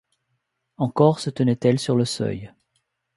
Encore se tenait-elle sur le seuil